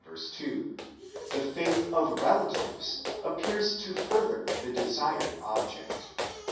2), the faith of relatives appears to further the desired object.